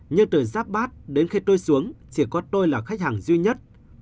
nhưng từ giáp bát đến khi tôi xuống chỉ có tôi là khách hàng duy nhất